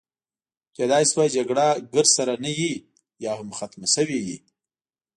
کیدای شوه جګړه ګرد سره نه وي، یا هم ختمه شوې وي.